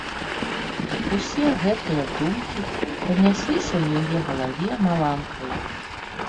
Усе гэтыя думкі пранесліся ў яе галаве маланкаю.